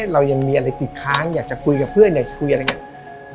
เรายังมีอะไรติดค้างอยากจะคุยกับเพื่อนอยากจะคุยอะไรอย่างนี้